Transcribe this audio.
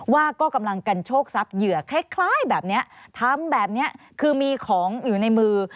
ว่าก็กำลังกันโชคทรัพย์เหยื่อคล้ายแบบนี้ทำแบบนี้คือมีของอยู่ในมือ